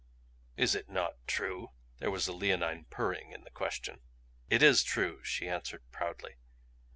"Is it not true?" There was a leonine purring in the question. "It IS true!" she answered proudly.